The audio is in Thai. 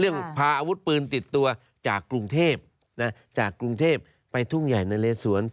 พาอาวุธปืนติดตัวจากกรุงเทพจากกรุงเทพไปทุ่งใหญ่นะเลสวน